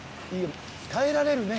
耐えられるね。